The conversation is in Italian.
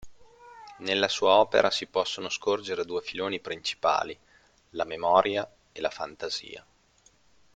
Nella sua opera si possono scorgere due filoni principali: la memoria e la fantasia.